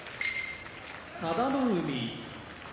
佐田の海